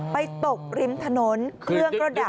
ตกริมถนนเครื่องก็ดับ